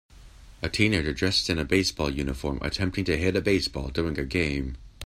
A teenager dressed in a baseball uniform attempting to hit a baseball during a game.